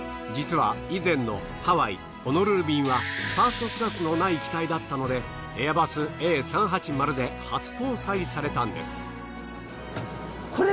実は以前のハワイホノルル便はファーストクラスのない機体だったのでエアバスＡ３８０で初搭載されたんです。